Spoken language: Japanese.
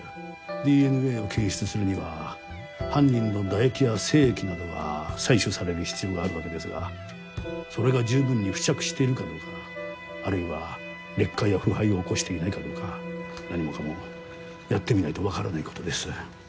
ＤＮＡを検出するには犯人の唾液や精液などが採取される必要があるわけですがそれが十分に付着しているかどうかあるいは劣化や腐敗を起こしていないかどうか何もかもやってみないとわからないことです。